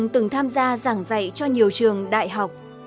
ta giảng dạy cho nhiều trường đại học